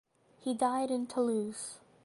He died in Toulouse.